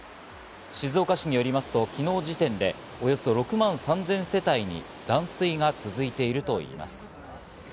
静岡市によりますと昨日時点でおよそ６万３０００世帯に断水が続いているといいます。